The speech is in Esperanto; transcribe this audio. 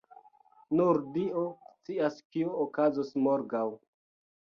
Nur dio scias kio okazos morgaŭ.